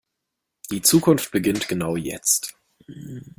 Die Zukunft beginnt genau jetzt.